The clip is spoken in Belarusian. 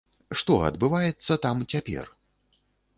Што адбываецца там цяпер?